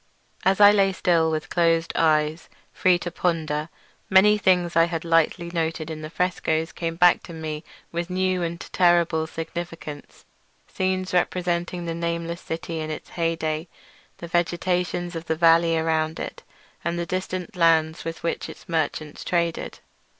As I lay still with closed eyes, free to ponder, many things I had lightly noted in the frescoes came back to me with new and terrible significance—scenes representing the nameless city in its heyday, the vegetation of the valley around it, and the distant lands with which its merchants traded.